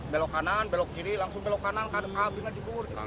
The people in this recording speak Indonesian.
belok kanan belok kiri langsung belok kanan abisnya jepur